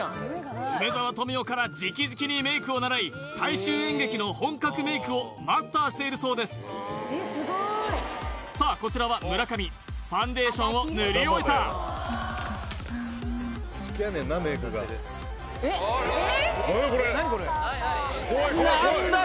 梅沢富美男から直々にメイクを習い大衆演劇の本格メイクをマスターしているそうですさあこちらは村上ファンデーションを塗り終えた何だ